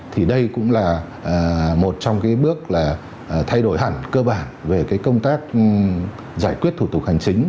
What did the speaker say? thì đây cũng là một trong bước thay đổi hẳn cơ bản về công tác giải quyết thủ tục hành chính